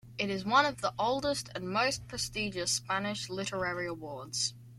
It is one of the oldest and most prestigious Spanish literary awards.